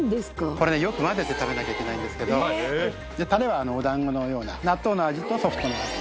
これねよく混ぜて食べなきゃいけないんですけどタレはお団子のような納豆の味とソフトの味